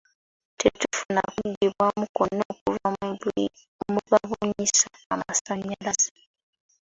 Tetufuna kuddibwamu kwonna okuva nu babunyisa amasannyalaze.